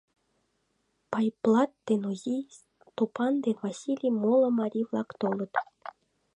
Пайблат ден Озий, Стопан ден Васлий, моло марий-влак толыт.